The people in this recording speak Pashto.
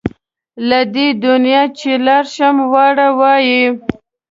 له دې دنیا چې لاړ شم واړه وايي.